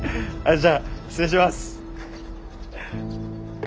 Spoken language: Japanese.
じゃあ失礼します。